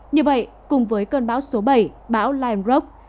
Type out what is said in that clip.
như vậy cùng với cơn bão số bảy bão len rock